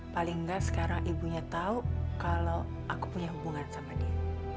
paling nggak sekarang ibunya tahu kalau aku punya hubungan sama dia